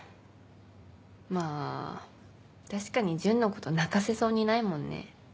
まあ確かに純のこと泣かせそうにないもんね。